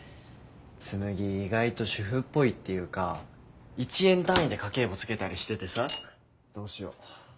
紬意外と主婦っぽいっていうか１円単位で家計簿つけたりしててさどうしよう。